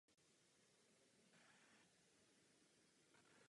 Jižní Koreu reprezentoval v osmdesátých a devadesátých letech.